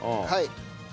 はい。